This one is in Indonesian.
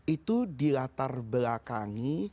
itu dilatar belakangi